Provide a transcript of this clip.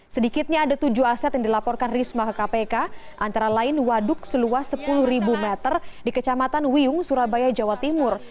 sedikitnya ada tujuh aset yang dilaporkan risma ke kpk antara lain waduk seluas sepuluh meter di kecamatan wiyung surabaya jawa timur